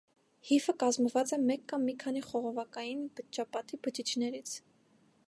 Հիֆը կազմված է մեկ կամ մի քանի խողովակային բջջապատի բջիջներից։